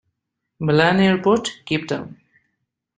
Malan Airport, Cape Town.